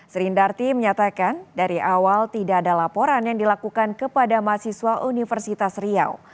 srindarti menyatakan dari awal tidak ada laporan yang dilakukan kepada mahasiswa universitas riau